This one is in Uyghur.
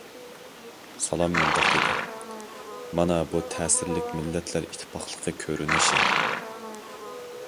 سالام مۇنداق دېدى: مانا بۇ تەسىرلىك مىللەتلەر ئىتتىپاقلىقى كۆرۈنۈشى.